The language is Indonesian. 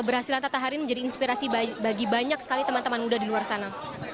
berhasil tata harim menjadi inspirasi bagi banyak sekali teman teman muda di luar sana